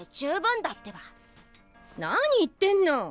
何言ってんの！